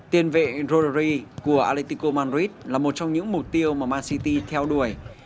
tiền vệ rodri của atletico madrid là một trong những mục tiêu mà man city theo đuổi